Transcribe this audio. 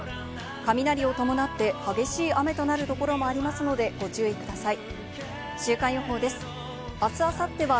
雷を伴って、激しい雨となるところもありますのでご注意ください。